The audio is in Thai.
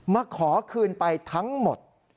มาขอคืนไปทั้งหมด